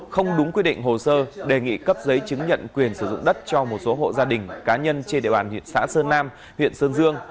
không đúng quy định hồ sơ đề nghị cấp giấy chứng nhận quyền sử dụng đất cho một số hộ gia đình cá nhân trên địa bàn huyện xã sơn nam huyện sơn dương